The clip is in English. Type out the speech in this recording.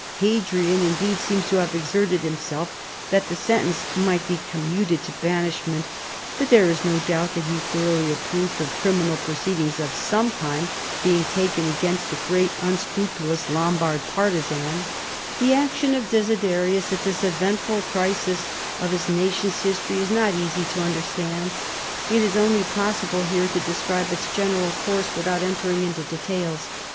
Hadrian indeed seems to have exerted himself that the sentence might be commuted to banishment, but there is no doubt tiiat he thoroughly approved of criminal proceedings of some kind being 120 CHARLEMAGNE. taken against the great unscrupulous Lombard parti zan, Tlie action of Desiderius at this eventful crisis of his nation's history is not easy to understand : it is only possible here to describe its general course with out entering into details.